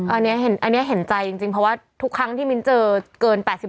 อันนี้เห็นใจจริงเพราะว่าทุกครั้งที่มิ้นเจอเกิน๘๐บาทมิ้นก็จะถามเขาว่า